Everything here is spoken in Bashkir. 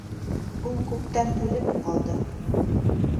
Ул күптән үлеп ҡалды.